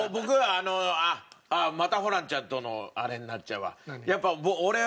あっまたホランちゃんとのあれになっちゃうわ。